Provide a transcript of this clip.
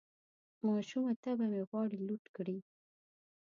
ماشومه طبعه مې غواړي لوټ کړي